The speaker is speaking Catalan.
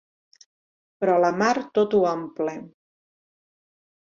Però la Mar tot ho omple.